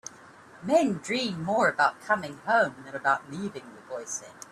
"Men dream more about coming home than about leaving," the boy said.